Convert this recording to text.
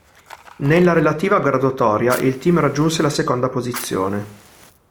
Nella relativa graduatoria, il team raggiunse la seconda posizione.